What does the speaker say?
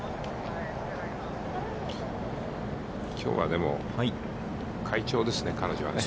きょうはでも、快調ですね、彼女はね。